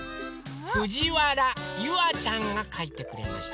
ふじわらゆあちゃんがかいてくれました。